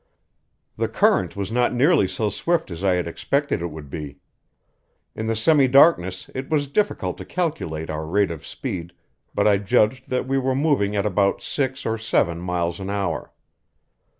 The current was not nearly so swift as I had expected it would be. In the semidarkness it was difficult to calculate our rate of speed, but I judged that we were moving at about six or seven miles an hour.